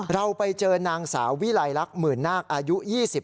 เราไปเจอนางสาววิลัยลักษณ์หมื่นนาคอายุ๒๐